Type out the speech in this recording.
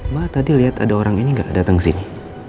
mbak tadi liat ada orang ini gak dateng sini